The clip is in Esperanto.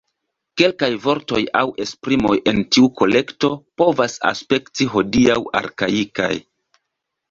Kelkaj vortoj aŭ esprimoj en tiu kolekto povas aspekti hodiaŭ arkaikaj.